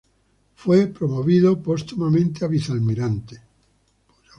Fue promovido póstumamente a vicealmirante.